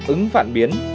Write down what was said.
ứng phản biến